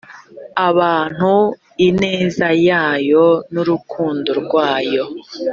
abantu ineza yayo n urukundo rwayo